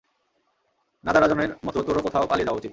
নাদারাজনের মতো তোরও কোথাও পালিয়ে যাওয়া উচিত।